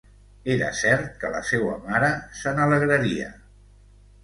Era cert que la seua mare se n'alegraria!